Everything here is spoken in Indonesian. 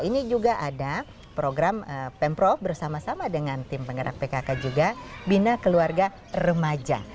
ini juga ada program pemprov bersama sama dengan tim penggerak pkk juga bina keluarga remaja